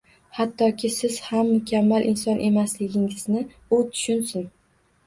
Hattoki siz ham mukammal inson emasligingizni u tushunsin.